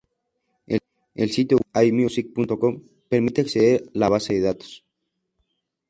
El sitio web "Allmusic.com" permite acceder la base de datos.